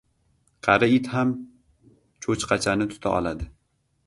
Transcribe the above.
• Qari it ham cho‘chqachani tuta oladi.